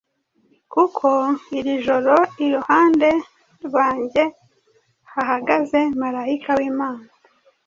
kuko iri joro iruhande rwanjye hahagaze marayika w’Imana,